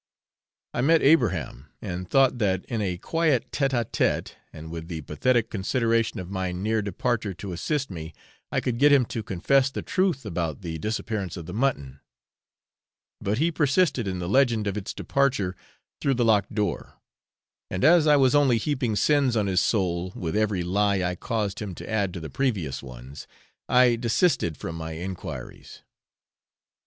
I met Abraham, and thought that, in a quiet tête à tête, and with the pathetic consideration of my near departure to assist me, I could get him to confess the truth about the disappearance of the mutton; but he persisted in the legend of its departure through the locked door; and as I was only heaping sins on his soul with every lie I caused him to add to the previous ones, I desisted from my enquiries.